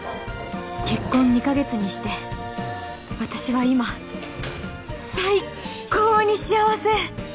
結婚２カ月にして私は今最っ高に幸せ！